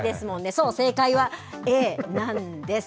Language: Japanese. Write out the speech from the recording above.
そう、正解は、Ａなんです。